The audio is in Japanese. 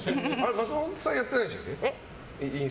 松本さんはやってないんでしたっけ？